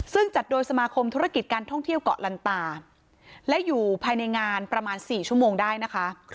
ซึ่งจัดโดยสมาคมธุรกิจการท่องเที่ยวเกาะลันตาและอยู่ภายในงานประมาณ๔ชั่วโมงได้นะคะ